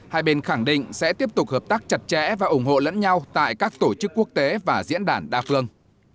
hai bên khẳng định sẽ tiếp tục hợp tác chặt chẽ và ủng hộ lẫn nhau tại các tổ chức quốc tế và diễn đàn đa phương